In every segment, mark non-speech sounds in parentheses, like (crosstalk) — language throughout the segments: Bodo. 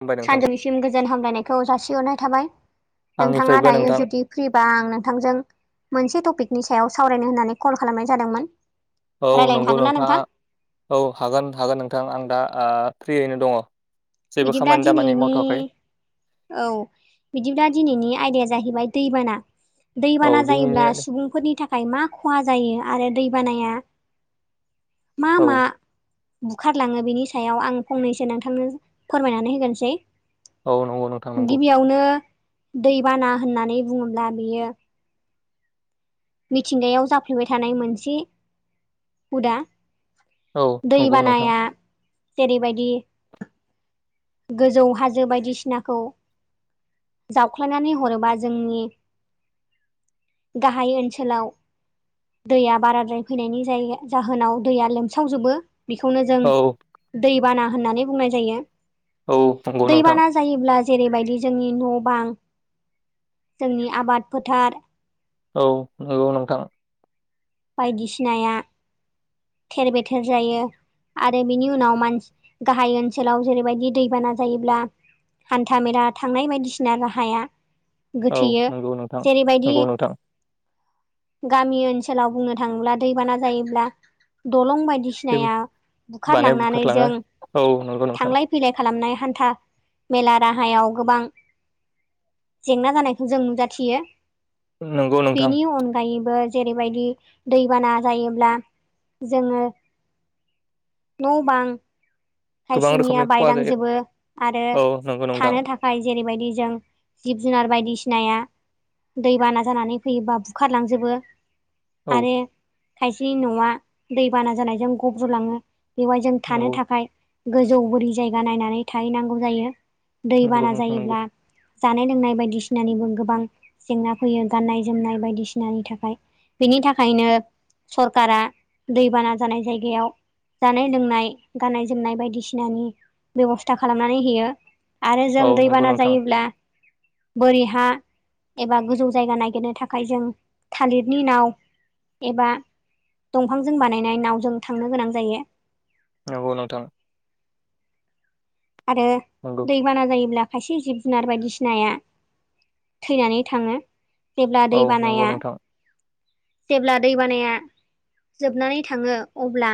खुलुमबाय नोंथां सानजौनिसिम गोजोन हामलायनायखौ जासिहरनाय थाबाय नोंथाङा आंनिफ्रायबो दायो नोंथां जोंनि फ्रिबा आं नोंथांजों मोनसे टपिकनि सायाव सावरायनो होननानै कल खालामनाय जादोंमोन। औ रायलायनो नंगौ हागोन ना नोंथाङा नोंथां औ हागोन हागोन नोंथां आं दा फ्रियैनो दङ। जेबो बिदिब्ला खामानि दामानि दिनैनि मावथ'वाखै औ बिदिब्ला दिनैनि आयदाया जाहैबाय दैबाना औ दैबाना दिनैनि जायोब्ला सुबुंफोरनि थाखाय मा खहा जायो आरो दैबानाया मा औ मा बुखारलाङो बेनि सायाव आं फंनैसो नोंथांनो फोरमायनानै होगोनसै औ नंगौ नोंथां नंगौ गिबियावनो दैबाना होननानै बुङोब्ला बेयो मिथिंगायाव जाफ्लेबाय थानाय मोनसे हुदा औ नंगौ नोंथां दैबानाया जेरैबायदि गोजौ हाजो बायदिसिनाखौ जावख्लायनानै हरोबा जोंनि गाहाय ओनसोल लाव दैया बाराद्राय फैनायनि जा-जाहोनाव दैया लोमसावजोबो बेखौनो जों औ दैबाना होननानै बुंनाय जायो औ नंगौ नोंथां दैबाना जायोब्ला जेरैबायदि जोंनि न' बां जोंनि आबाद फोथार औ नंगौ नोंथां। बायदिसिनाया थेर बेथेर जायो। आरो बिनि उनाव मानसि गाहाय ओनसोलाव जेरै बायदि दैबाना जायोब्ला हान्था-मेला थांनाय बायदिसिना राहाया औ गोथेयो नंगौ नोंथां जेरैबायदि नंगौ नोंथां गामि ओनसोलाव बुंनो थाङोब्ला दैबाना जायोब्ला दलं नाया माने बुखारलांनानै बुखारलाङो जों औ नंगौ नोंथां थांलाय फैलाय खालामनाय हान्था मेला राहायाव गोबां जेंना जानायखौ जों नुजाथियो नंगौ नोंथां बेनि अनगायैबो बे बायदि दैबाना जायोब्ला जोङो। न' बां गोबां खायसेनिया रोखोमनि खहा जायो बायलांजोबो आरो औ नंगौ नोंथां थानो थाखाय। फफ्राय जेरै बायदि जों जिब-जुनार बायदिसिनाया दैबाना जानानै फैयोबा बुखारलांजोबो। औ आरो खायसेनि न'आ दैबाना जानायजों गब्रुलाङो। बेवहाय जों थानो नंगौ थाखाय गोजौ बोरि जायगा नायनानै थाहैनांगौ जायो। दै नंगौ बाना नोंथां नंगौ जायोब्ला जानाय-लोंनाय बायदिसिनानिबो गोबां जेंना फैयो गाननाय जोमनाय बायदिसिनानि थाखाय। बेनि थाखायनो। सरकारा दैबाना जानाय जायगायाव जानाय लोंनाय गाननाय जोमनाय बायदि। बायदिसिनानि बेब'स्था खालामनानै होयो आरो औ जों नंगौ दैबाना नोंथां जायोब्ला। बोरि हा एबा गोजौ जायगा नागिरनो थाखाय जों थालिरनि नाव एबा। दंफांजों बानायनाय नावजों थांनो गोनां जायो। नंगौ नोंथां। आरो नंगौ दैबाना जायोब्ला। खायसे जिब-जुनार बायदिसिनाया थैनानै थाङो। जेब्ला दै औ नंगौ बानाया नोंथां जेब्ला दैबानाया जोबनानै थांङो अब्ला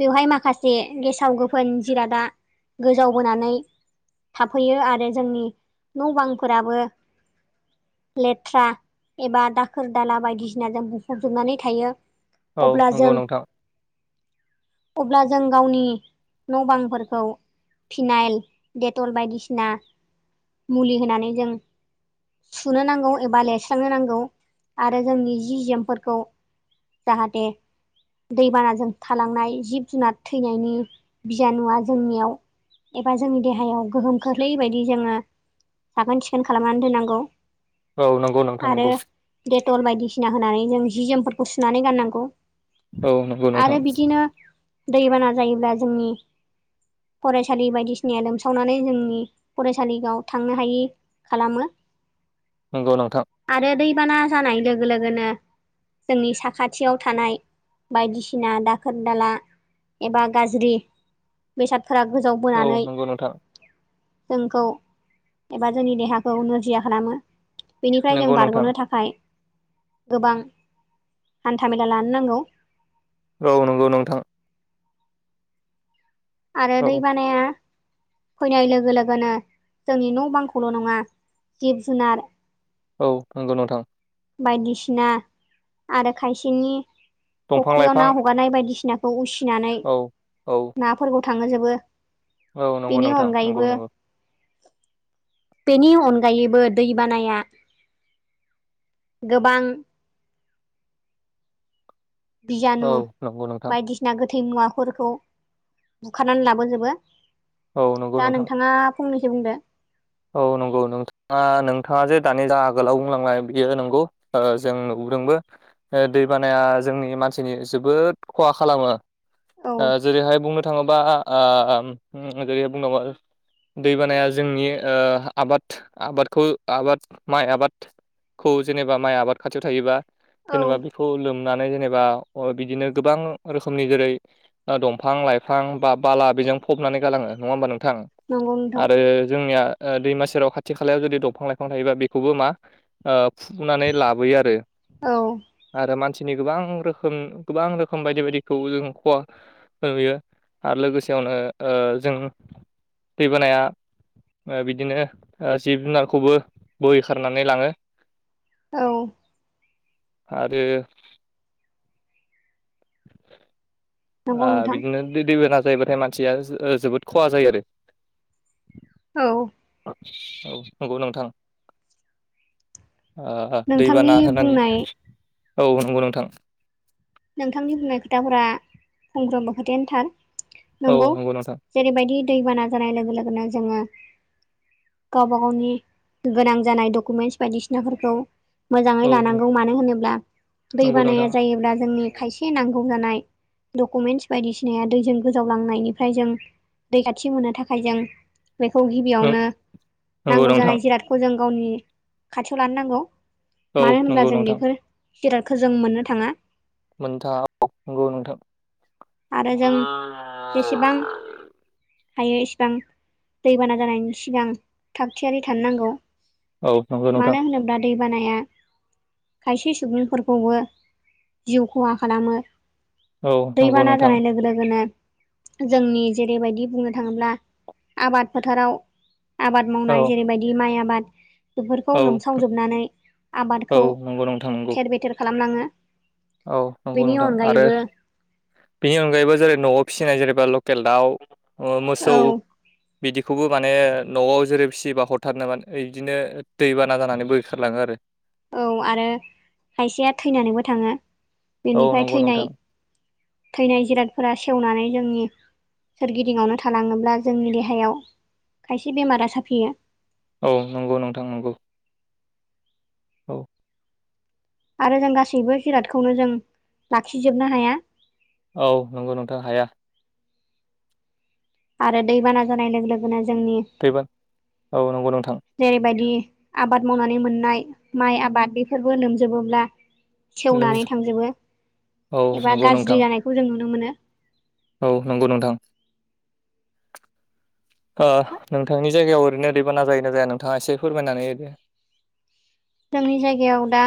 बेवहाय माखासे गेसाव गोफोन जिरादा गोजावबोनानै। थाफैयो आरो जोंनि न' बांफोराबो। लेथ्रा एबा दाखोर दाला बायदिसिना जों बुंफबजोबनानै थायो औ अब्ला जों नंगौ नोंथां अब्ला जों गावनि न' बांफोरखौ फिनाल डेटल बायदिसिना मुलि होनानै जों सुनो नांगौ एबा लिरस्रांनो नांगौ आरो जोंनि जि जोमफोरखौ जाहाथे दैबानाजों थालांनाय जिब जुनार थैनायनि बिजानुवा जोंनियाव एबा जोंनि देहायाव गोहोमख्लै बायदि जोंङो साखोन सिखोन खालामनानै दोननांगौ औ नंगौ नोंथां आरो नंगौ डेटल बायदिसिना होनानै जों जि जोमफोरखौ सुनानै गाननांगौ औ नंगौ नोंथां आरो बिदिनो दैबाना जायोब्ला जोंनि फरायसालि बायदिसिनाया लोमसावनानै जोंनि फरायसालिगाव थांनो हायि खालामो नंगौ नोंथां आरो दैबाना जानाय लोगो लोगोनो जोंनि साखाथियाव थानाय बायदिसिना दाखोर दाला एबा गाज्रि बेसादफोरा गोजाव औ बोनानै नंगौ नोंथां जोंखौ एबा जोंनि देहाखौ नोरजिया खालामो बेनिफ्राय जों नंगौ नोंथां बारग'नो थाखाय गोबां हान्था मेला लानो नांगौ औ नंगौ नोंथां आरो दै औ बानाया फैनाय लोगो लोगोनो जोंनि न' बांखौल' नङा जिब जुनार औ नंगौ नोंथां बायदिसिना आरो खायसेनि दंफां फुख्रियाव लाइफां ना ह हगारनाय बायदिसिनाखौ उसिनानै औ औ फोरफोरखौ थांहोजोबो औ नंगौ बेनि नोंथां नंगौ अनगायैबो नंगौ बेनि अनगायैबो दै बानाया गोबां औ बिजानु नंगौ नोंथां बायदि सिना गोथै मुवाफोरखौ बुखारनानै लाबोजोबो औ नंगौ दा नोंथां नोंथाङा फंनैसो बुंदो औ नंगौ नों थाङा नोंथाङा जे दानि जा आगोलाव बुंलांबाय बियो नंगौ ओ जों नुबोदोंबो ओ दै बानाया जोंनि मानसिनि जोबोद खहा खालामो औ ओ जेरैहाय बुंनो थाङोबा आ जेरैहाय बुंना दैबानाया जोंनि ओ आबाद आबादखौ आबाद माइ आबाद खौ जेनेबा माइ आबाद खाथियाव थायोबा औ जेनेबा खौ लोमनानै जेनेबा बिदिनो गोबां रोखोमनि जेरै दंफां लाइफां बा बाला बेजों फबनानै गालाङो नङा होमबा नोंथां नंगौ नोंथां आरो जोंनिया दैमा सेराव खाथि खालायाव जुदि दंफां लाइफां थायोबा बेखौबो मा ओ फुुखनानै लाबोयो आरो औ आरो मानसिनि गोबां रोखोम गोबां रोखोम बायदि बायदिखौ जों खहा होयो आरो लोगोसेयावनो ओ जों दैबानाया ओ बिदिनो जिब जुनारखौबो बोहैखारनानै लाङो औ आरो आ नंगौ नोंथां बिदिनो दै दैबाना जायोबाथाय मानसिया जोबोद खहा जायो आरो औ औ नंगौ नोंथां ओ नोंथांनि दैबाना होनानै बुंनाय औ नंगौ नोंथां नोंथांनि बुंनाय खोथाफोरा फंफ्रोमबो खोथायानोथार औ नंगौ नोंथां जेरैबायदि दैबाना जानाय लोगो लोगोनो जोंङो गावबा-गावनि गोनां जानाय डकुमेन्टस बायदिसिनाफोरखौ औ मोजांङै लानांगौ मानो होनोब्ला दै नंगौ नोंथां बानाया जायोब्ला जोंनि खायसे नांगौ जानाय डकुमेन्टस बायदिसिनाया दैजों गोजावलांनायनिफ्राय जों दै खाथि मोननो थाखाय जों बेखौ गिबियावनो नंगौ नांगौ नोंथां जानाय जिरादखौ जों गावनि खाथियाव लानो नांगौ। औ मानो होनब्ला नंगौ जों नोंथां बेफोर जिरादखौ जों मोननो थांङा। मोनथांङा नंगौ नोंथां आरो जों जेसेबां (unintelligible) हायो इसिबां दैबाना जानायनि सिगां थागथियारि थानो नांगौ। नंगौ नोंथां मानो होनोब्ला दैबानाया खायसे सुबुंफोरखौबो जिउ खहा खालामो औ नंगौ दैबाना नोंथां जानाय लोगो लोगोनो जोंनि जेरैबायदि बुंनो थांङोब्ला आबाद फोथाराव आबाद मावनाय औ जेरैबायदि माइ आबाद बेफोरखौ औ लोमसावजोबनानै औ आबादखौ नंगौ नोंथां नंगौ थेर बेथेर खालामलांङो औ नंगौ नोंथां आरो बेनि अनगायैबो जेरै न'आव फिसिनाय जेनेबा लकेल दाउ औ मोसौ बिदिखौबो माने न'आव जेरै फिसियोबा हरथारनो मा होनो बिदिनो दैबाना जानानै बोहैखारलाङो आरो औ आरो खायसेया थैनानैबो थांङो औ बेनिफ्राय नंगौ नोंथां थैनाय थैनाय जिरादफोरा सेवनानै जोंनि सोरगिदिङावनो थालांङोब्ला जोंनि देहायाव खायसे बेमारा साफियो औ नंगौ नोंथां नंगौ औ आरो जों गासैबो जिरादखौनो जों लाखिजोबनो हाया। औ नंगौ नोंथां हाया। आरो दैबाना जानाय लोगो लोगोनो जोंनि दैबार औ नंगौ नोंथां जेरैबायदि आबाद मावनानै मोननाय माइ आबाद बेफोरबो लोमजोबोब्ला सेवनानै थांजोबो औ एबा नंगौ नोंथां गाज्रि जानायखौ जों नुनो मोनो। औ नंगौ नोंथां ओ नोंथांनि जायगायाव ओरैनो दैबाना जायो ना जाया नोंथांङा एसे फोरमायनानै होदो जोंनि जायगायाव दा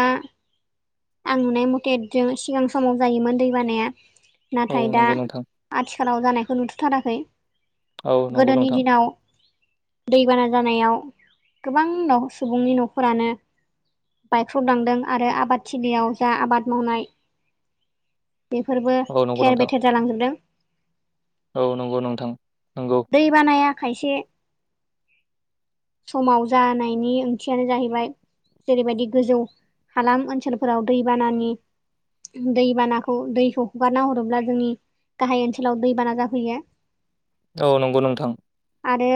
आं नुनाय मथे जों सिगां समाव जायोमोन दै बानाया औ नाथाय दा नंगौ नोंथां आथिखालाव जानायखौ नुथ'थाराखै औ नंगौ गोदोनि नोंथां दिनाव दैबाना जानायाव गोबां सुबुंनि न'खरानो बायख्राव दांदों आरो आबाद थिलियाव जा आबाद मावनाय बेफोरबो औ नंगौ थेर नोंथां बेथेर जालांजोबदों। औ नंगौ नोंथां नंगौ दैै बानाया खायसे समाव जानायनि ओंथियानो जाहैबाय जेरैबायदि गोजौ हालाम ओनसोलफोराव दैबानानि दैबानाखौ दैखौ हगारना हरोब्ला जोंनि गाहाय ओनसोलाव दैबाना जाफैयो औ नंगौ नोंथां आरो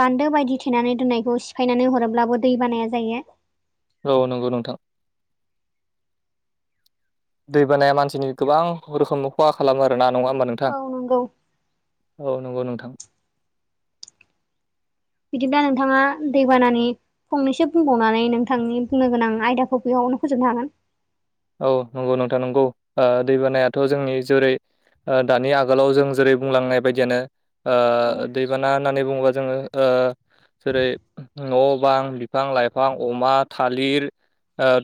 बान्दो बायदि थेनानै दोननायखौ सिफायनानै हरोब्लाबो दै बानाया जायो। औ नंगौ नोंथां दै बानाया मानसिनि गोबां रोखोम खहा खालामो आरो ना नङा मोन औ नंगौ औ नंगौ नोंथां बिदिबा नोंथाङा दैबानानि फंनैसो बुंबावनानै नोंथांनि बुंनो गोनां आयदाखौ बेयावनो फोजोबनो हागोन औ नंगौ नोंथा नंगौ दैबानायाथ' जोंनि जेरै दानि आगोलाव जों जेरै बुंलांनाय बायदियानो दै औ बिबाना होननानै बुङोबा जोङो जेरै न' बां बिफां लाइफां अमा थालिर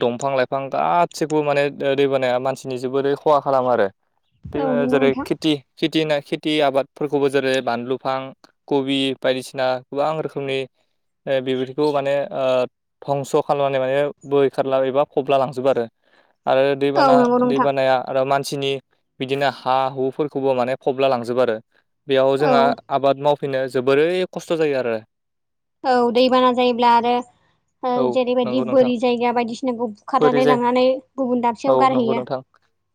दंफां लाइफां गा खौबो माने दैबानाया मानसिनि जोबोरै खहा खालामो आरो थ औ नंगौ जेरै नोंथां खेथि खेथिना खेथि आबादफोरखौबो जेरै बानलुफां कबि बायदिसिना गोबां रोखोमनि बेबायदिखौ माने धंस' खालामनानै माने बोैखारला एबा फबला लांजोबो आरो आरो औ दैबाना नंगौ नोंथां दैबानाया आरो मानसिनि बिदिनो हा हुफोरखौबो माने फबला लांजबो आरो बेयाव औ जोंहा आबाद मावफिनो जोबोरै खस्थ' जायो आरो औ दैबाना जायोब्ला आरो औ जेरैबायदि नंगौ नोंथां बोरि जायगा बा हम जयदिसिनाखौ बोरै बुखारनानै जायो लांनानै गुबुन औ दाबसेयाव नंगौ गारहैयो। नोंथां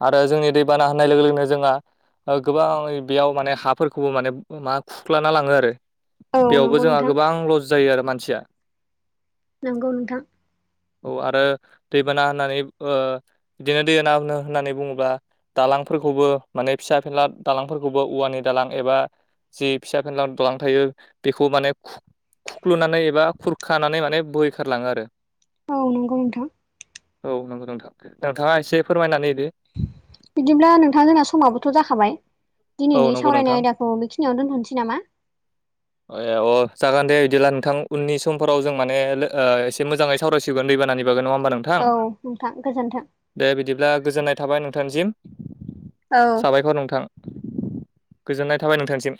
आरो जोंनि दैबाना होननाय लोगो लोगोनो जोंहा गोबाङ बेयाव माने हाफोरखौबो माने मा खुख्लाना लाङो आरो औ बेयावबो नंगौ जोंहा नोंथां गोबां लस जायो आरो मानसिया नगौ नोंथां औ आरो दैबाना होननानै बिदिनो दै होनो होननानै बुङोब्ला दालांफोरखौबो माने फिसा फिला दालांफोरखौबो औवानि दालां एबा जि फिसा फेनलां दालां थायो बेखौ माने खुख्लुनानै एबा खुरखानानै माने बोहैखारलाङो आरो औ नंगौ नोंथां औ नंगौ नोंथां नोंथाङा एसे फोरमायनानै होदो बिदिब्ला नोंथां जोंना समाबोथ' जाखाबाय औ दिनैनि नंगौ सावरायनाय नोंथां आयदाखौ बेखिनियावनो दोनथ'नोसै नामा ए अ जागोन दे बिदिब्ला नोंथां उननि समफोराव जों माने एसे मोजाङै सावरायग दैबानानि बबो नङा हमबा नोंथां औ नोंथां गोजोन्थों दे बिदिब्ला गोजोननाय थाबाय नोंथांसिम औ साबायखर नोंथां गोजोननाय थाबाय नोंथांनिसिम